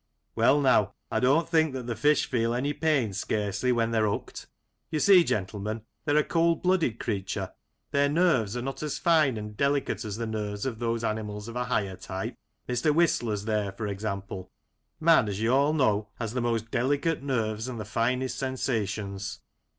Well, now, I don't think that the fish feel any pain scarcely when they're hooked You see, gentlemen, they're a cold blooded creature. Their nerves are not as fine and delicate as the nerves of those animals of a higher type — Mn An Ambrosial Noon, 119 Whistler's there, for example. Man, as you all know, has the most delicate nerves and the finest sensations.